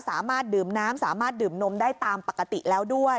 สามารถดื่มน้ำสามารถดื่มนมได้ตามปกติแล้วด้วย